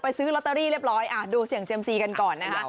ซื้อลอตเตอรี่เรียบร้อยดูเสี่ยงเซียมซีกันก่อนนะคะ